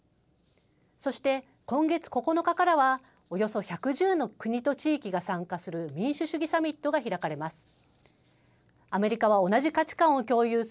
そして、今月９日からは、およそ１１０の国と地域が参加する民主主義サミットが開かれます。